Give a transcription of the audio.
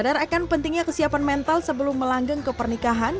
mereka pentingnya kesiapan mental sebelum melanggeng kepernikahan